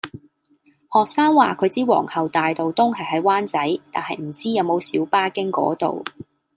學生話佢知皇后大道東係喺灣仔，但係唔知有冇小巴經嗰度